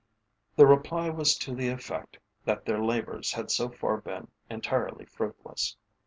The reply was to the effect that their labours had so far been entirely fruitless.